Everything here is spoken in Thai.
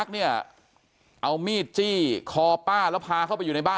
เนี่ยเอามีดจี้คอป้าแล้วพาเข้าไปอยู่ในบ้าน